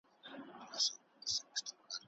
بزګر د خپل آس په وفادارۍ باندې تل په مینه شکر ایست.